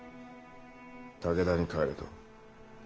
武田に帰れと。